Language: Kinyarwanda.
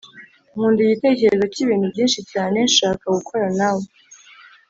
nkunda igitekerezo cyibintu byinshi cyane nshaka gukora nawe,